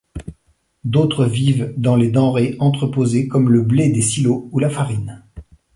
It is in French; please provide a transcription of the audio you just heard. D'autres vivent dans les denrées entreposées comme le blé des silos ou la farine.